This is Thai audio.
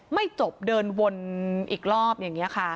ไม่จบเดินวนอีกรอบอย่างนี้ค่ะ